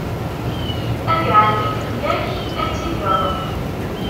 Ad iɛenni fell-ak, ad tidireḍ.